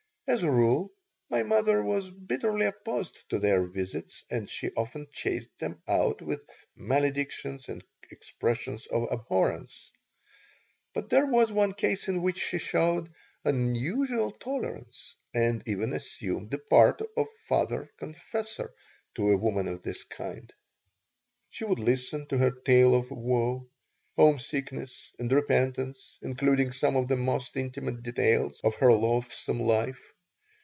As a rule, my mother was bitterly opposed to their visits and she often chased them out with maledictions and expressions of abhorrence; but there was one case in which she showed unusual tolerance and even assumed the part of father confessor to a woman of this kind. She would listen to her tale of woe, homesickness and repentance, including some of the most intimate details of her loathsome life.